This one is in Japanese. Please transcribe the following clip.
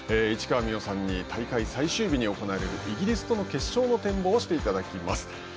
市川美余さんに大会最終日に行われるイギリスとの決勝の展望をしていただきます。